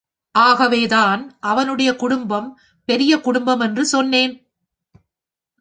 ஆகவேதான் அவனுடைய குடும்பம் பெரிய குடும்பம் என்று சொன்னேன்.